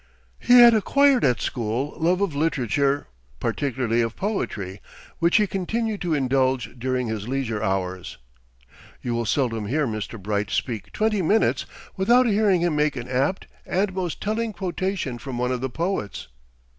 He had acquired at school love of literature, particularly of poetry, which he continued to indulge during his leisure hours. You will seldom hear Mr. Bright speak twenty minutes without hearing him make an apt and most telling quotation from one of the poets.